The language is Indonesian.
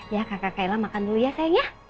ya kakak kaila makan dulu ya sayang ya